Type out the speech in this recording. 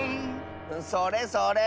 それそれ。